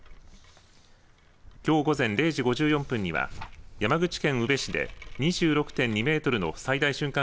きょう午前０時５４分には山口県宇部市で２６．２メートルの最大瞬間